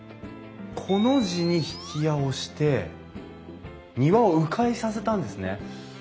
コの字に曳家をして庭をう回させたんですね。